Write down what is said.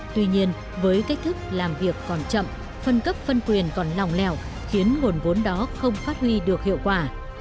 tuy nhiên với cách thức làm việc còn chậm phân cấp phân quyền còn lòng lẻo khiến nguồn vốn đó không phát huy được hiệu quả